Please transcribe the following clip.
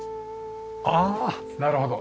ああなるほど。